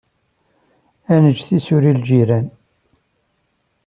Ad neǧǧ tisura i lǧiran.